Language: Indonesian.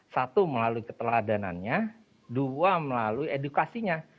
satu melalui keteladanannya dua melalui edukasinya